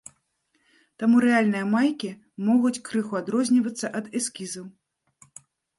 Таму рэальныя майкі могуць крыху адрознівацца ад эскізаў.